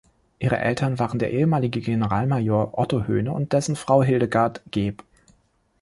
Ihre Eltern waren der ehemalige Generalmajor Otto Höhne und dessen Frau Hildegard, geb.